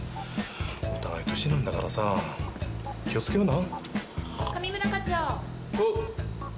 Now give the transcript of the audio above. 「年なんだからさ気を付けような」